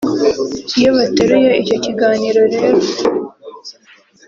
Iyo bateruye icyo kiganiro rero